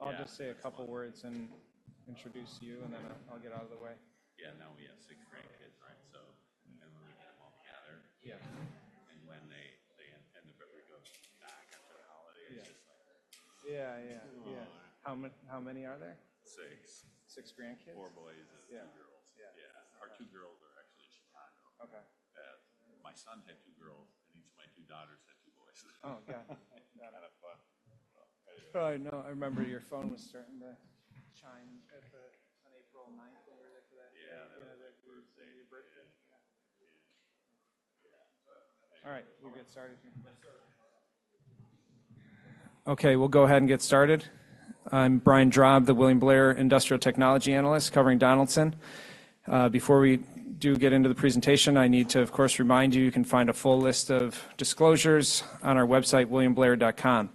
I'll just say a couple words and introduce you, and then I, I'll get out of the way. Yeah, now we have six grandkids, right? So when we get them all together. Yeah. And when they end up ever go back after the holiday, it's just like. Yeah, yeah, yeah. Oh, my. How many are there? Six. Six grandkids? Four boys and. Yeah. Two girls. Yeah. Yeah. Our two girls are actually in Chicago. Okay. My son had two girls, and each of my two daughters had two boys. Oh, got it. Kinda fun. Oh, I know. I remember your phone was starting to chime at the, on April 9th or after that. Yeah, that was like we were saying your birthday. Yeah. Yeah. All right, we'll get started. Let's start. Okay, we'll go ahead and get started. I'm Brian Drab, the William Blair Industrial Technology Analyst, covering Donaldson. Before we do get into the presentation, I need to, of course, remind you, you can find a full list of disclosures on our website, williamblair.com.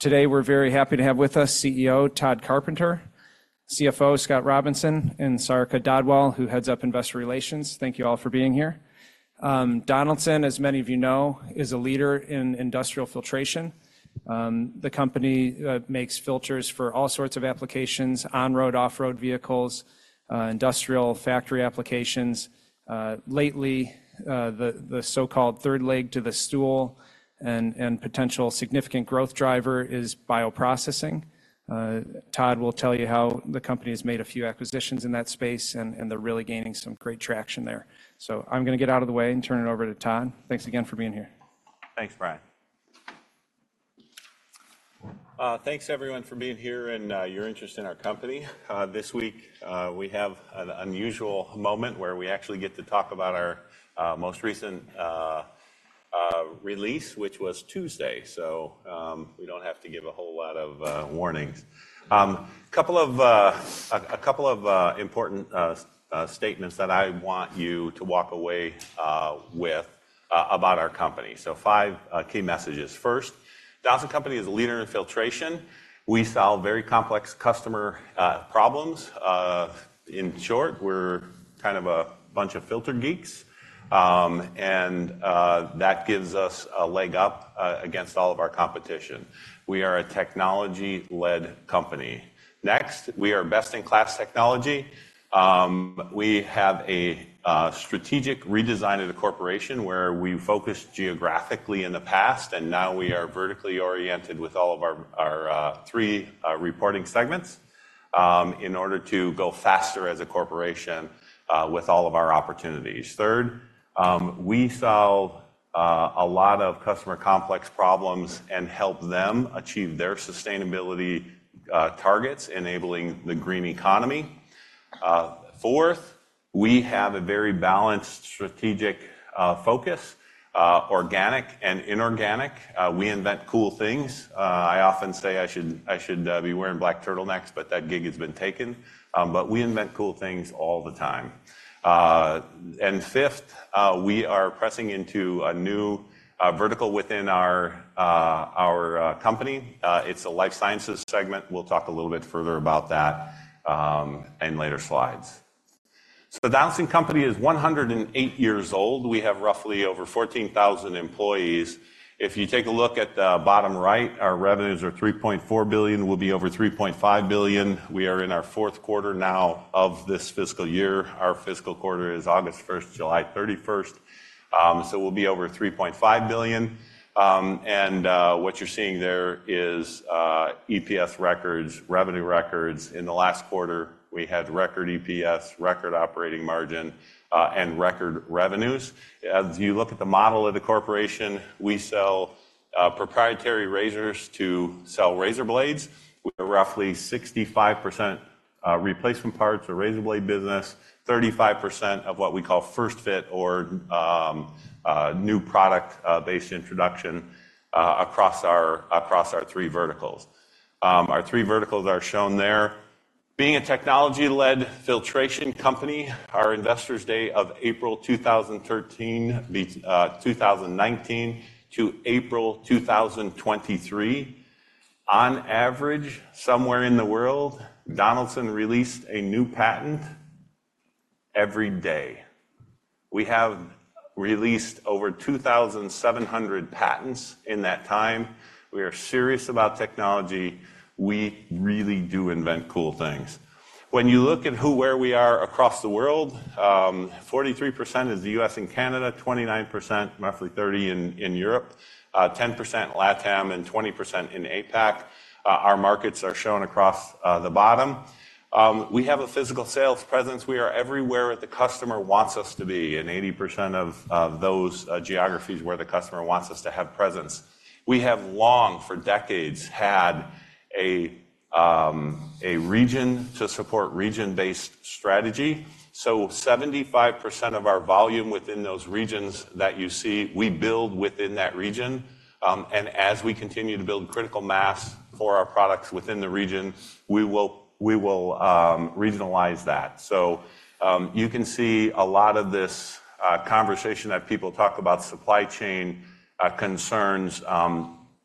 Today, we're very happy to have with us CEO Tod Carpenter, CFO Scott Robinson, and Sarika Dhadwal, who heads up Investor Relations. Thank you all for being here. Donaldson, as many of you know, is a leader in industrial filtration. The company makes filters for all sorts of applications: on-road, off-road vehicles, industrial factory applications. Lately, the so-called third leg to the stool and potential significant growth driver is bioprocessing. Tod will tell you how the company has made a few acquisitions in that space, and they're really gaining some great traction there. I'm gonna get out of the way and turn it over to Tod. Thanks again for being here. Thanks, Brian. Thanks, everyone, for being here and your interest in our company. This week, we have an unusual moment where we actually get to talk about our most recent release, which was Tuesday. So, we don't have to give a whole lot of warnings. A couple of important statements that I want you to walk away with about our company. So five key messages. First, Donaldson Company is a leader in filtration. We solve very complex customer problems. In short, we're kind of a bunch of filter geeks, and that gives us a leg up against all of our competition. We are a technology-led company. Next, we are best-in-class technology. We have a strategic redesign of the corporation, where we focused geographically in the past, and now we are vertically oriented with all of our three reporting segments in order to go faster as a corporation with all of our opportunities. Third, we solve a lot of customer complex problems and help them achieve their sustainability targets, enabling the green economy. Fourth, we have a very balanced strategic focus, organic and inorganic. We invent cool things. I often say I should be wearing black turtlenecks, but that gig has been taken, but we invent cool things all the time. And fifth, we are pressing into a new vertical within our company. It's a Life Sciences segment. We'll talk a little bit further about that in later slides. Donaldson Company is 108 years old. We have roughly over 14,000 employees. If you take a look at the bottom right, our revenues are $3.4 billion, will be over $3.5 billion. We are in our fourth quarter now of this fiscal year. Our fiscal quarter is August 1st to July 31st. So we'll be over $3.5 billion. And what you're seeing there is EPS records, revenue records. In the last quarter, we had record EPS, record operating margin, and record revenues. As you look at the model of the corporation, we sell proprietary razors to sell razor blades. We're roughly 65%, replacement parts or razor blade business, 35% of what we call first-fit or new product based introduction across our three verticals. Our three verticals are shown there. Being a technology-led filtration company, our Investor Day of April 2019 to April 2023, on average, somewhere in the world, Donaldson released a new patent every day. We have released over 2,700 patents in that time. We are serious about technology. We really do invent cool things. When you look at who, where we are across the world, 43% is the US and Canada, 29%, roughly 30% in Europe, 10% LATAM, and 20% in APAC. Our markets are shown across the bottom. We have a physical sales presence. We are everywhere where the customer wants us to be, in 80% of those geographies where the customer wants us to have presence. We have long, for decades, had a region to support region-based strategy. So 75% of our volume within those regions that you see, we build within that region, and as we continue to build critical mass for our products within the region, we will regionalize that. So, you can see a lot of this conversation that people talk about supply chain concerns,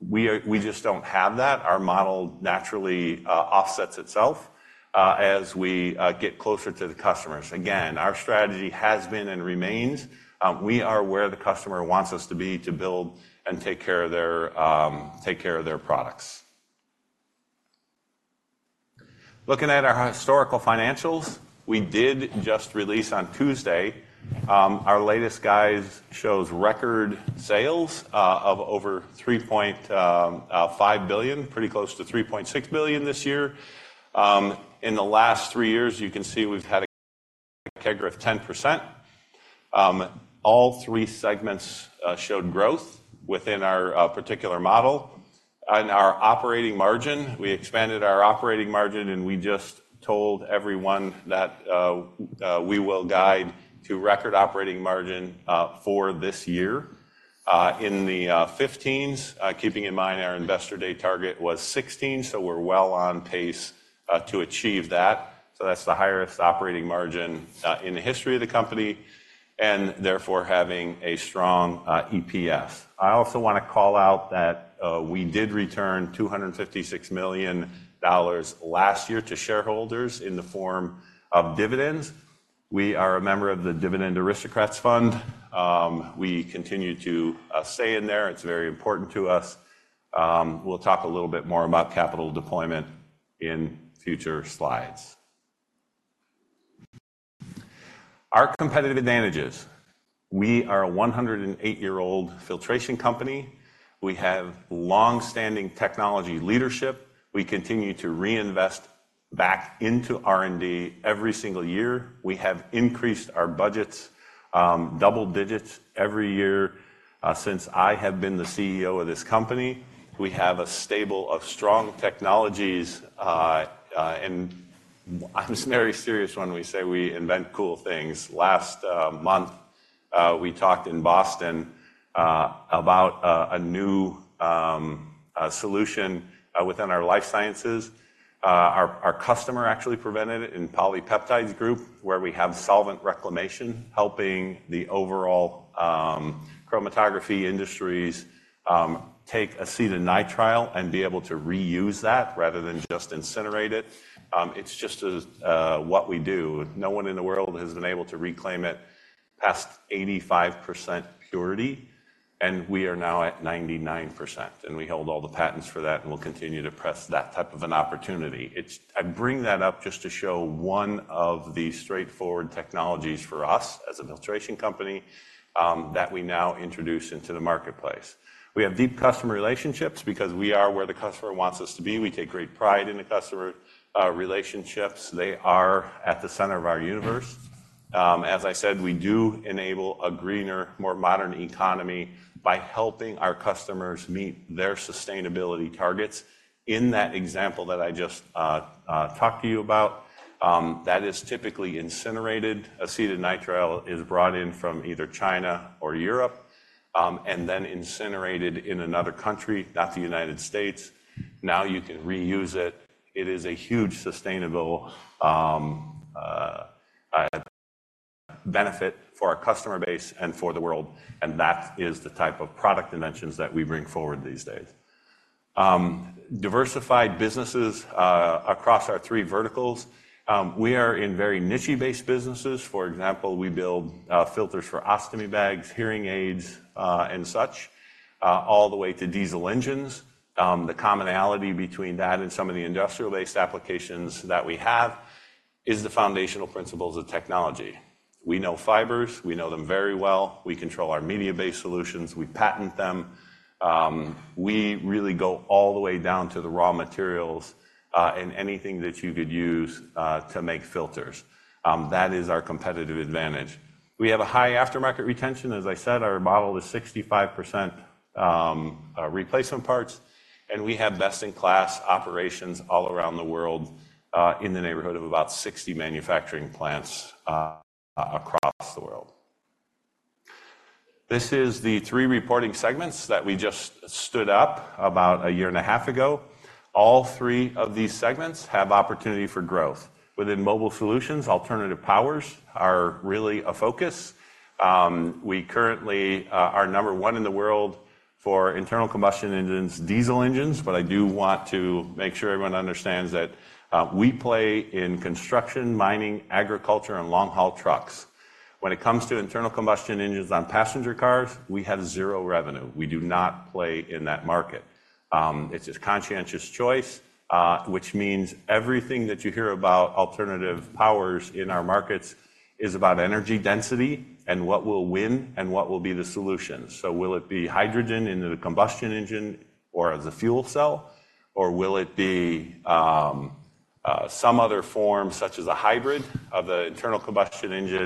we just don't have that. Our model naturally offsets itself as we get closer to the customers. Again, our strategy has been and remains, we are where the customer wants us to be, to build and take care of their, take care of their products. Looking at our historical financials, we did just release on Tuesday. Our latest guides shows record sales, of over $3.5 billion, pretty close to $3.6 billion this year. In the last three years, you can see we've had a CAGR of 10%. All three segments showed growth within our particular model. And our operating margin, we expanded our operating margin, and we just told everyone that, we will guide to record operating margin, for this year. In the 15s, keeping in mind our investor day target was 16, so we're well on pace, to achieve that. So that's the highest operating margin in the history of the company, and therefore, having a strong EPS. I also wanna call out that we did return $256 million last year to shareholders in the form of dividends. We are a member of the Dividend Aristocrats fund. We continue to stay in there. It's very important to us. We'll talk a little bit more about capital deployment in future slides. Our competitive advantages. We are a 108-year-old filtration company. We have long-standing technology leadership. We continue to reinvest back into R&D every single year. We have increased our budgets double digits every year since I have been the CEO of this company. We have a stable of strong technologies, and I'm very serious when we say we invent cool things. Last month, we talked in Boston about a new solution within our life sciences. Our customer actually presented it in PolyPeptide Group, where we have solvent reclamation, helping the overall chromatography industries take acetonitrile and be able to reuse that rather than just incinerate it. It's just as what we do. No one in the world has been able to reclaim it past 85% purity, and we are now at 99%, and we hold all the patents for that, and we'll continue to press that type of an opportunity. It's, I bring that up just to show one of the straightforward technologies for us as a filtration company that we now introduce into the marketplace. We have deep customer relationships because we are where the customer wants us to be. We take great pride in the customer relationships. They are at the center of our universe. As I said, we do enable a greener, more modern economy by helping our customers meet their sustainability targets. In that example that I just talked to you about, that is typically incinerated. Acetonitrile is brought in from either China or Europe, and then incinerated in another country, not the United States. Now, you can reuse it. It is a huge sustainable benefit for our customer base and for the world, and that is the type of product dimensions that we bring forward these days. Diversified businesses across our three verticals. We are in very niche-based businesses. For example, we build filters for ostomy bags, hearing aids, and such, all the way to diesel engines. The commonality between that and some of the industrial-based applications that we have is the foundational principles of technology. We know fibers, we know them very well. We control our media-based solutions. We patent them. We really go all the way down to the raw materials, and anything that you could use to make filters. That is our competitive advantage. We have a high aftermarket retention. As I said, our model is 65% replacement parts, and we have best-in-class operations all around the world, in the neighborhood of about 60 manufacturing plants across the world. This is the three reporting segments that we just stood up about a year and a half ago. All three of these segments have opportunity for growth. Within Mobile Solutions, alternative powers are really a focus. We currently are number one in the world for internal combustion engines, diesel engines, but I do want to make sure everyone understands that we play in construction, mining, agriculture, and long-haul trucks. When it comes to internal combustion engines on passenger cars, we have zero revenue. We do not play in that market. It's a conscientious choice, which means everything that you hear about alternative powers in our markets is about energy density and what will win and what will be the solution. So will it be hydrogen into the combustion engine or the fuel cell, or will it be some other form, such as a hybrid of the internal combustion engine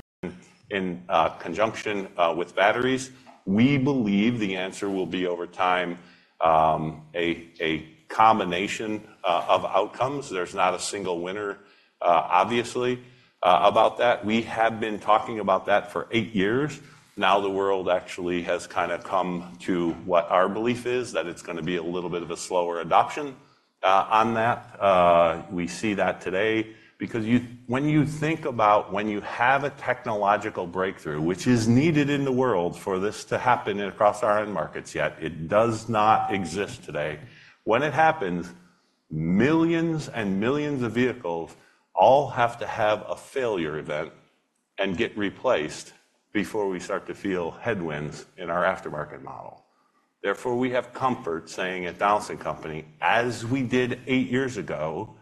in conjunction with batteries? We believe the answer will be, over time, a combination of outcomes. There's not a single winner, obviously, about that. We have been talking about that for eight years. Now, the world actually has kinda come to what our belief is, that it's gonna be a little bit of a slower adoption on that. We see that today because you when you think about when you have a technological breakthrough, which is needed in the world for this to happen across our end markets, yet it does not exist today. When it happens, millions and millions of vehicles all have to have a failure event and get replaced before we start to feel headwinds in our aftermarket model. Therefore, we have comfort saying at Donaldson Company, as we did eight years ago,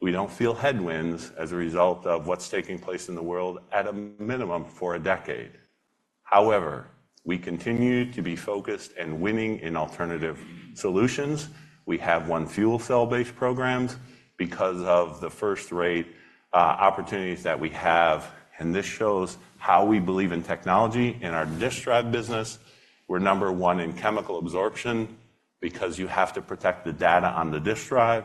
we don't feel headwinds as a result of what's taking place in the world at a minimum for a decade. However, we continue to be focused and winning in alternative solutions. We have won fuel cell-based programs because of the first-rate opportunities that we have, and this shows how we believe in technology. In our disk drive business, we're number one in chemical absorption, because you have to protect the data on the disk drive.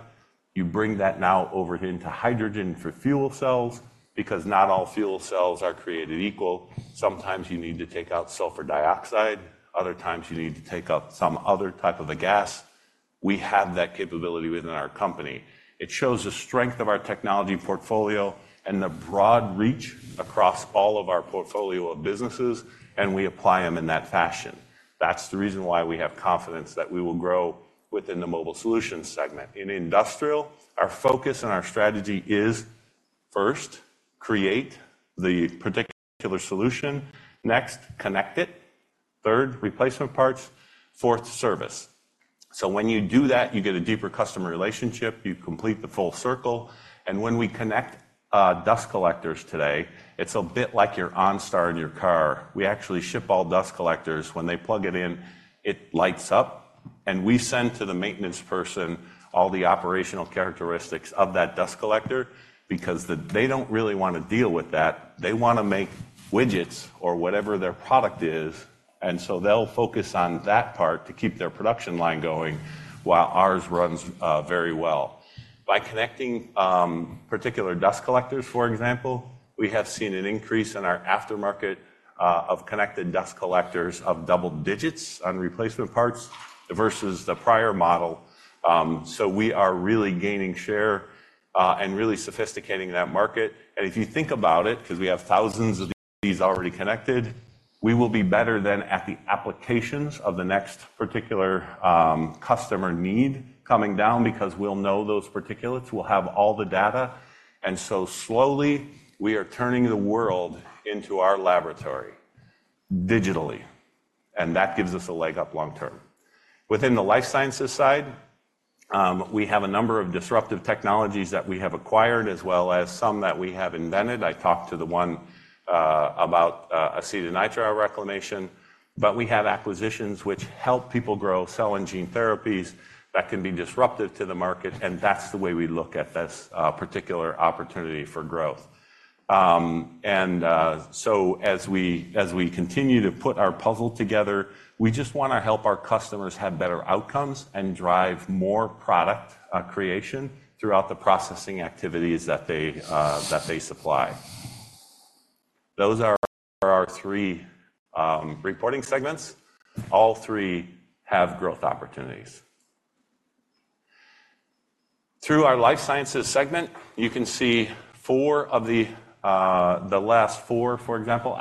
You bring that now over into hydrogen for fuel cells, because not all fuel cells are created equal. Sometimes you need to take out sulfur dioxide, other times you need to take out some other type of a gas. We have that capability within our company. It shows the strength of our technology portfolio and the broad reach across all of our portfolio of businesses, and we apply them in that fashion. That's the reason why we have confidence that we will grow within the mobile solutions segment. In industrial, our focus and our strategy is, first, create the particular solution. Next, connect it. Third, replacement parts. Fourth, service. So when you do that, you get a deeper customer relationship, you complete the full circle. And when we connect dust collectors today, it's a bit like your OnStar in your car. We actually ship all dust collectors. When they plug it in, it lights up, and we send to the maintenance person all the operational characteristics of that dust collector, because they don't really wanna deal with that. They wanna make widgets or whatever their product is, and so they'll focus on that part to keep their production line going while ours runs very well. By connecting particular dust collectors, for example, we have seen an increase in our aftermarket of connected dust collectors of double digits on replacement parts versus the prior model. So we are really gaining share and really sophisticating that market. And if you think about it, 'cause we have thousands of these already connected, we will be better then at the applications of the next particular customer need coming down, because we'll know those particulates. We'll have all the data, and so slowly, we are turning the world into our laboratory digitally, and that gives us a leg up long term. Within the life sciences side, we have a number of disruptive technologies that we have acquired, as well as some that we have invented. I talked to the one about acetonitrile reclamation, but we have acquisitions which help people grow cell and gene therapies that can be disruptive to the market, and that's the way we look at this particular opportunity for growth. And so as we continue to put our puzzle together, we just wanna help our customers have better outcomes and drive more product creation throughout the processing activities that they supply. Those are our three reporting segments. All three have growth opportunities. Through our life sciences segment, you can see four of the last four acquisitions, for example,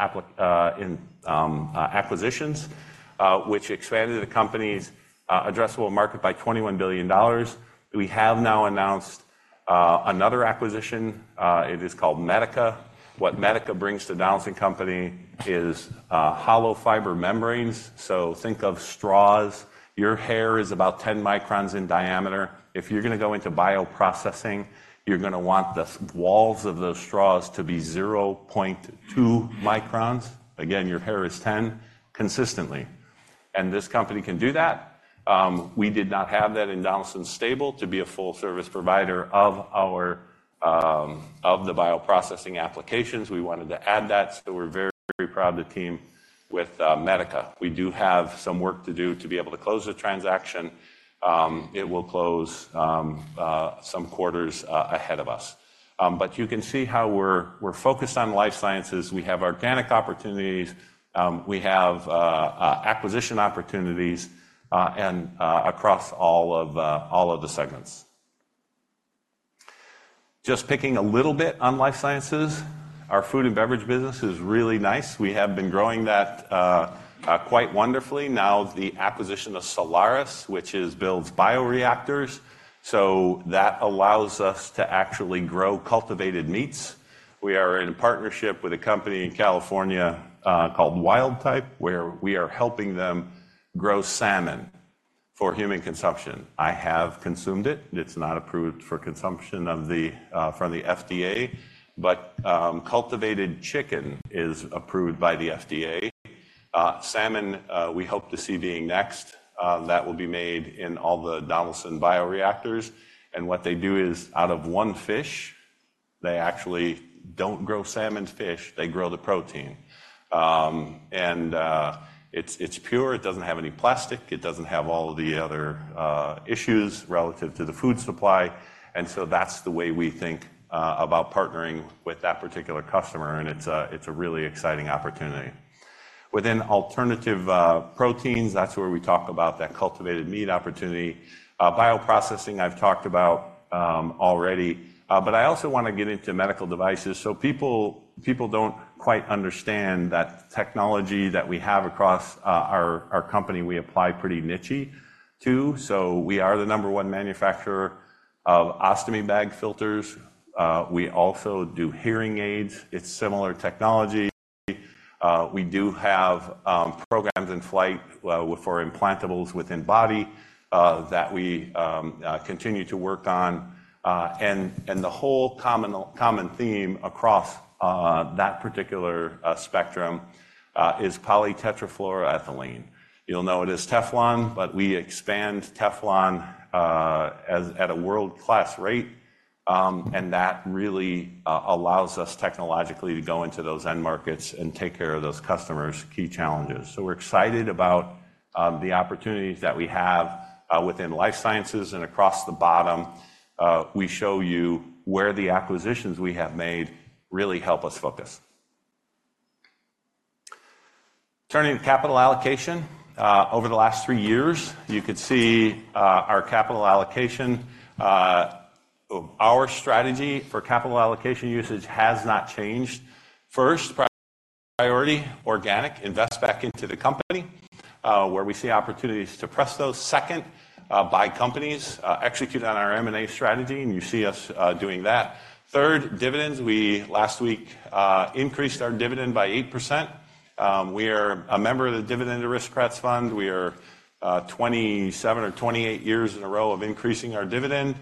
which expanded the company's addressable market by $21 billion. We have now announced another acquisition. It is called Medica. What Medica brings to Donaldson Company is, hollow fiber membranes, so think of straws. Your hair is about 10 microns in diameter. If you're gonna go into bioprocessing, you're gonna want the walls of those straws to be 0.2 microns, again, your hair is 10, consistently, and this company can do that. We did not have that in Donaldson's stable to be a full-service provider of our, of the bioprocessing applications. We wanted to add that, so we're very proud to team with Medica. We do have some work to do to be able to close the transaction. It will close some quarters ahead of us. But you can see how we're focused on life sciences. We have organic opportunities, we have acquisition opportunities, and across all of, all of the segments. Just picking a little bit on life sciences, our food and beverage business is really nice. We have been growing that quite wonderfully. Now, the acquisition of Solaris, which builds bioreactors, so that allows us to actually grow cultivated meats. We are in partnership with a company in California, called Wildtype, where we are helping them grow salmon for human consumption. I have consumed it. It's not approved for consumption from the FDA, but cultivated chicken is approved by the FDA. Salmon, we hope to see being next. That will be made in all the Donaldson bioreactors. And what they do is, out of one fish, they actually don't grow salmon fish, they grow the protein. It's pure. It doesn't have any plastic. It doesn't have all of the other issues relative to the food supply, and so that's the way we think about partnering with that particular customer, and it's a really exciting opportunity. Within alternative proteins, that's where we talk about that cultivated meat opportunity. Bioprocessing, I've talked about already, but I also want to get into medical devices. So people don't quite understand that technology that we have across our company. We apply it pretty nichey, too. So we are the number one manufacturer of ostomy bag filters. We also do hearing aids. It's similar technology. We do have programs in flight for implantables within body that we continue to work on. And the whole common theme across that particular spectrum is polytetrafluoroethylene. You'll know it as Teflon, but we expand Teflon as at a world-class rate. And that really allows us technologically to go into those end markets and take care of those customers' key challenges. So we're excited about the opportunities that we have within life sciences, and across the bottom we show you where the acquisitions we have made really help us focus. Turning to capital allocation over the last three years, you could see our capital allocation. Our strategy for capital allocation usage has not changed. First, priority, organic, invest back into the company where we see opportunities to press those. Second, buy companies, execute on our M&A strategy, and you see us doing that. Third, dividends. We last week increased our dividend by 8%. We are a member of the Dividend Aristocrats fund. We are 27 or 28 years in a row of increasing our dividend.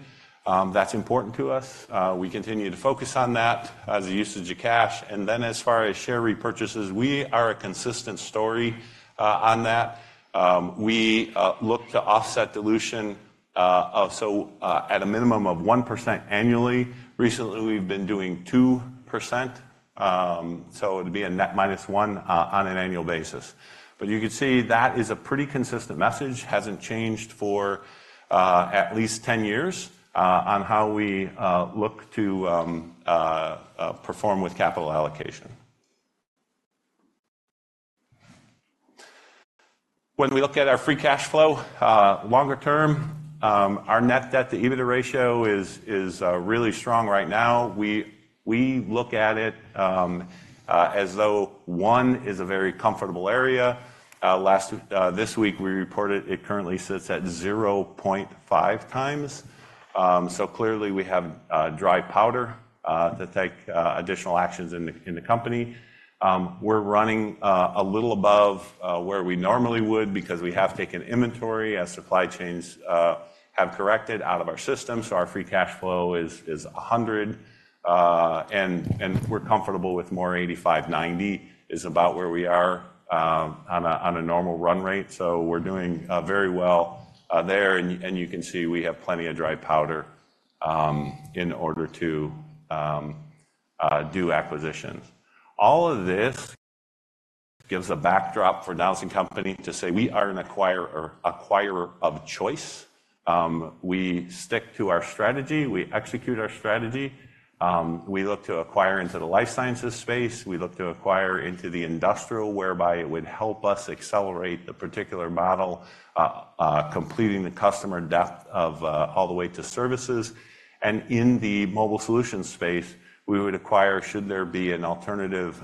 That's important to us. We continue to focus on that as a usage of cash, and then as far as share repurchases, we are a consistent story on that. We look to offset dilution at a minimum of 1% annually. Recently, we've been doing 2%, so it'd be a net minus one on an annual basis. But you can see that is a pretty consistent message, hasn't changed for at least 10 years on how we look to perform with capital allocation. When we look at our free cash flow, longer term, our net debt to EBITDA ratio is really strong right now. We look at it as though 1x is a very comfortable area. Last week, we reported it currently sits at 0.5x. So clearly, we have dry powder to take additional actions in the company. We're running a little above where we normally would because we have taken inventory as supply chains have corrected out of our system, so our free cash flow is $100 million, and we're comfortable with $85 million-$90 million is about where we are on a normal run rate. So we're doing very well there, and you can see we have plenty of dry powder in order to do acquisitions. All of this gives a backdrop for Donaldson Company to say, we are an acquirer, acquirer of choice. We stick to our strategy, we execute our strategy. We look to acquire into the life sciences space. We look to acquire into the industrial, whereby it would help us accelerate the particular model, completing the customer depth of all the way to services. And in the mobile solutions space, we would acquire, should there be an alternative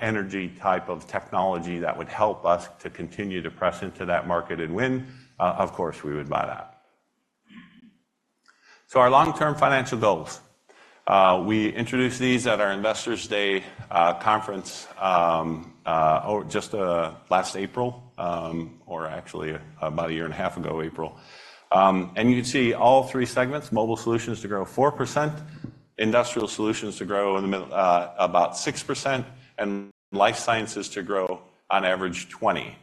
energy type of technology that would help us to continue to press into that market and win, of course, we would buy that. So our long-term financial goals, we introduced these at our Investors Day conference, just last April, or actually about a year and a half ago, April. And you can see all three segments, mobile solutions to grow 4%, industrial solutions to grow in the mid, about 6%, and life sciences to grow on average, 20%.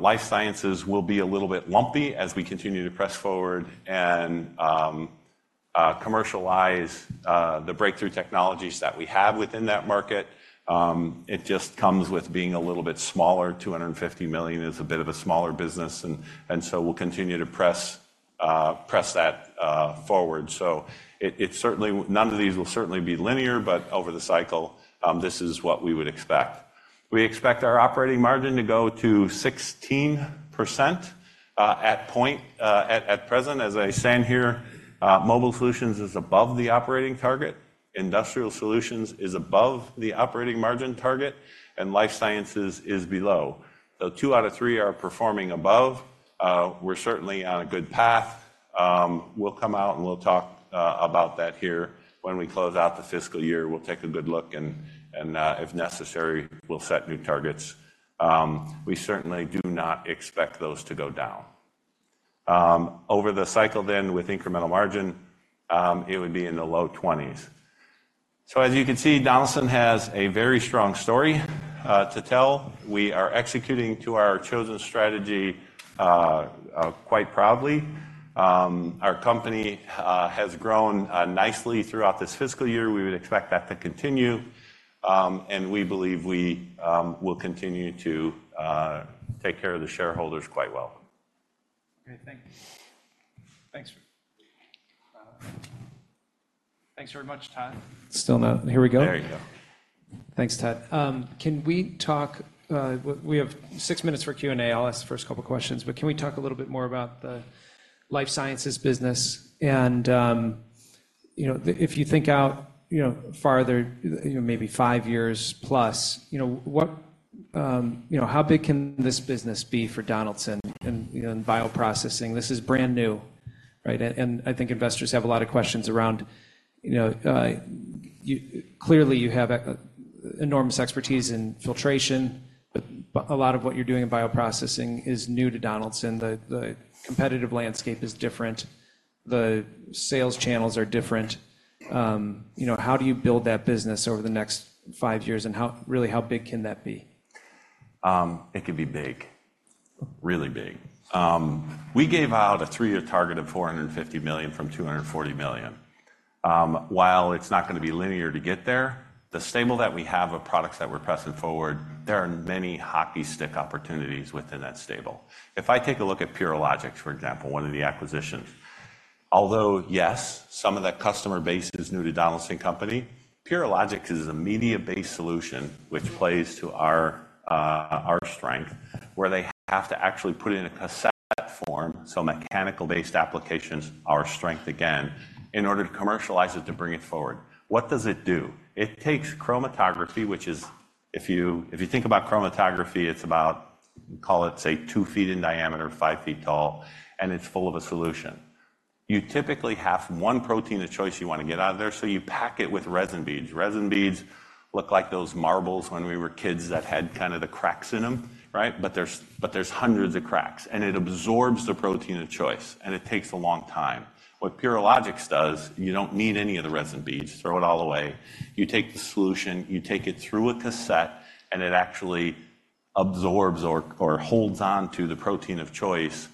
Life sciences will be a little bit lumpy as we continue to press forward and commercialize the breakthrough technologies that we have within that market. It just comes with being a little bit smaller. $250 million is a bit of a smaller business, and so we'll continue to press that forward. So, it certainly, none of these will certainly be linear, but over the cycle, this is what we would expect. We expect our operating margin to go to 16%, at present, as I stand here, Mobile Solutions is above the operating target. Industrial Solutions is above the operating margin target, and Life Sciences is below. So two out of three are performing above. We're certainly on a good path. We'll come out, and we'll talk about that here. When we close out the fiscal year, we'll take a good look, and if necessary, we'll set new targets. We certainly do not expect those to go down. Over the cycle then, with incremental margin, it would be in the low 20s. As you can see, Donaldson has a very strong story to tell. We are executing to our chosen strategy quite proudly. Our company has grown nicely throughout this fiscal year. We would expect that to continue, and we believe we will continue to take care of the shareholders quite well. Okay, thank you. Thanks. Thanks very much, Tod. Here we go. There you go. Thanks, Tod. Can we talk? We have six minutes for Q&A. I'll ask the first couple questions, but can we talk a little bit more about the life sciences business and, you know, if you think out, you know, farther, you know, maybe five years plus, you know, what, you know, how big can this business be for Donaldson in, you know, in bioprocessing? This is brand new, right? And I think investors have a lot of questions around, you know, you clearly, you have an enormous expertise in filtration, but a lot of what you're doing in bioprocessing is new to Donaldson. The competitive landscape is different. The sales channels are different. You know, how do you build that business over the next five years, and how, really, how big can that be? It could be big. Really big. We gave out a three-year target of $450 million from $240 million. While it's not gonna be linear to get there, the stable that we have of products that we're pressing forward, there are many hockey stick opportunities within that stable. If I take a look at Purilogics, for example, one of the acquisitions, although, yes, some of that customer base is new to Donaldson Company, Purilogics is a media-based solution, which plays to our, our strength, where they have to actually put it in a cassette form, so mechanical-based applications, our strength again, in order to commercialize it to bring it forward. What does it do? It takes chromatography, which is, if you, if you think about chromatography, it's about, call it, say, two feet in diameter, five feet tall, and it's full of a solution. You typically have one protein of choice you want to get out of there, so you pack it with resin beads. Resin beads look like those marbles when we were kids that had kind of the cracks in them, right? But there's, but there's hundreds of cracks, and it absorbs the protein of choice, and it takes a long time. What Purilogics does, you don't need any of the resin beads. Throw it all away. You take the solution, you take it through a cassette, and it actually absorbs or, or holds onto the protein of choice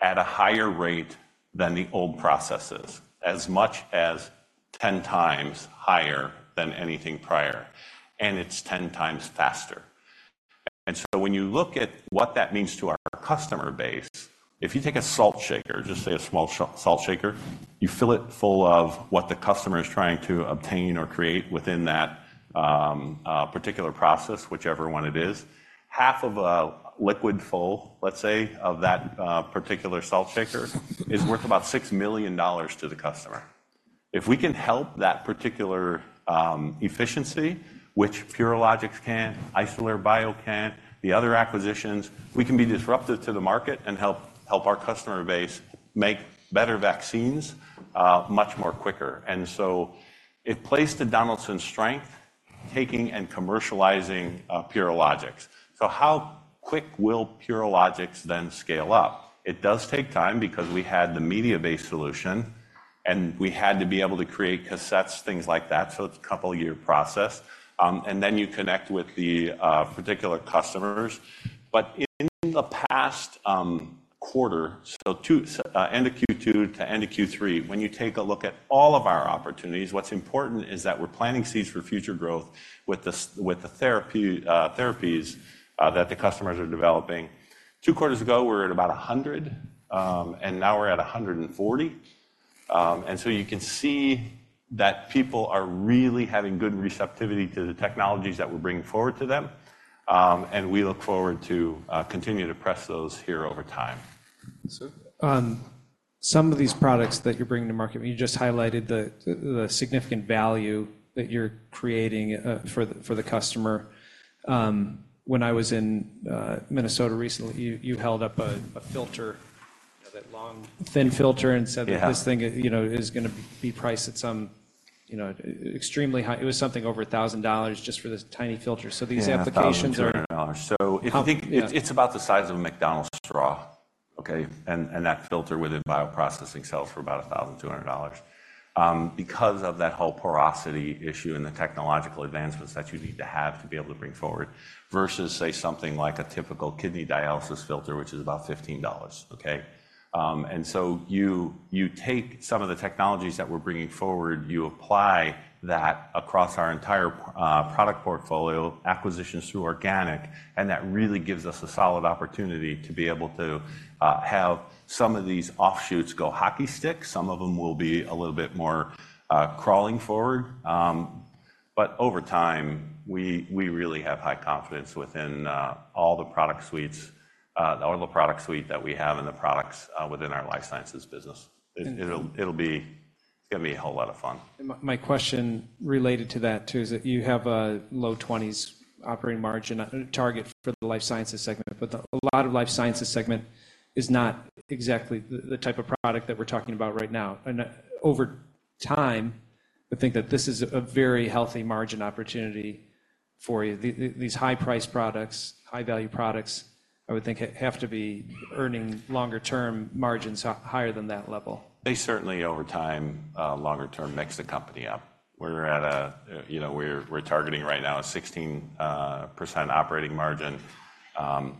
at a higher rate than the old processes, as much as 10 times higher than anything prior, and it's 10 times faster. And so when you look at what that means to our customer base, if you take a salt shaker, just say, a small salt shaker, you fill it full of what the customer is trying to obtain or create within that particular process, whichever one it is. Half of a liquid full, let's say, of that particular salt shaker is worth about $6 million to the customer. If we can help that particular efficiency, which Purilogics can, Isolere Bio can, the other acquisitions, we can be disruptive to the market and help our customer base make better vaccines much more quicker. And so it plays to Donaldson's strength, taking and commercializing Purilogics. So how quick will Purilogics then scale up? It does take time because we had the media-based solution, and we had to be able to create cassettes, things like that, so it's a couple-year process. And then you connect with the particular customers. But in the past quarter, so end of Q2 to end of Q3, when you take a look at all of our opportunities, what's important is that we're planting seeds for future growth with the therapy, therapies that the customers are developing. Two quarters ago, we were at about 100, and now we're at 140. And so you can see that people are really having good receptivity to the technologies that we're bringing forward to them. And we look forward to continuing to press those here over time. Some of these products that you're bringing to market, you just highlighted the significant value that you're creating for the customer. When I was in Minnesota recently, you held up a filter, that long, thin filter, and said. Yeah. That this thing, you know, is gonna be priced at some, you know, extremely high. It was something over $1,000 just for this tiny filter. Yeah. So these applications are. $1,200. So if you think. Yeah. It's about the size of a McDonald's straw, okay? And that filter within bioprocessing sells for about $1,200. Because of that whole porosity issue and the technological advancements that you need to have to be able to bring forward, versus, say, something like a typical kidney dialysis filter, which is about $15, okay? And so you take some of the technologies that we're bringing forward, you apply that across our entire product portfolio, acquisitions through organic, and that really gives us a solid opportunity to be able to have some of these offshoots go hockey stick. Some of them will be a little bit more crawling forward. But over time, we really have high confidence within all the product suites, or the product suite that we have and the products within our life sciences business. Mm. It'll be, it's gonna be a whole lot of fun. My question related to that, too, is that you have a low-20s operating margin target for the life sciences segment, but a lot of the life sciences segment is not exactly the type of product that we're talking about right now. And over time, I think that this is a very healthy margin opportunity for you. These high-price products, high-value products, I would think, have to be earning longer-term margins higher than that level. They certainly, over time, longer term, mix the company up. We're at a, you know, we're targeting right now a 16% operating margin.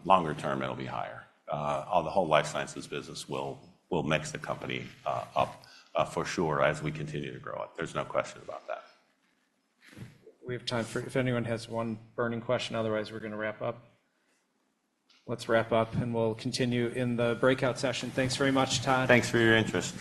Longer term, it'll be higher. The whole life sciences business will mix the company up, for sure, as we continue to grow it. There's no question about that. We have time for if anyone has one burning question. Otherwise, we're gonna wrap up. Let's wrap up, and we'll continue in the breakout session. Thanks very much, Tod. Thanks for your interest.